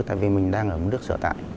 tại vì mình đang ở một nước sở tại